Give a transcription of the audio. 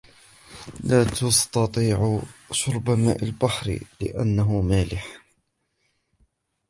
لا تستطيع شرب ماء البحر لأنه مالح.